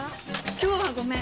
今日はごめん！